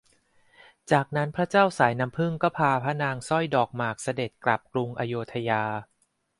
จากนั้นพระเจ้าสายน้ำผึ้งก็พาพระนางสร้อยดอกหมากเสด็จกลับกรุงอโยธยา